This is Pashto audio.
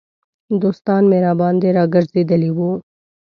دوستان مې راباندې را ګرځېدلي وو.